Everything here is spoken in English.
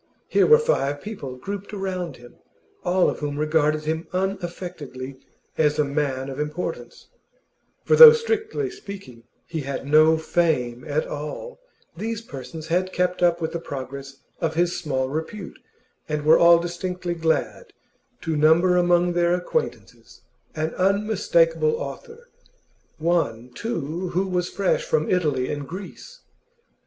Here were five people grouped around him, all of whom regarded him unaffectedly as a man of importance; for though, strictly speaking, he had no 'fame' at all, these persons had kept up with the progress of his small repute, and were all distinctly glad to number among their acquaintances an unmistakable author, one, too, who was fresh from Italy and Greece.